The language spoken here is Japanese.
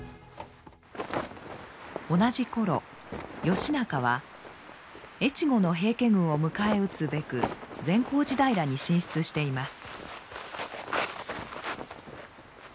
同じ頃義仲は越後の平家軍を迎え撃つべく善光寺平に進出しています。